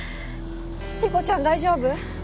理子ちゃん大丈夫！？